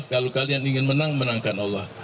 kalau kalian ingin menang menangkan allah